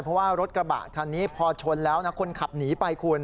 เพราะว่ารถกระบะคันนี้พอชนแล้วนะคนขับหนีไปคุณ